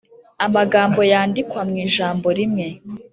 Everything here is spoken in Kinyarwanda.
Amagambo yandikwa mu ijambo rimwe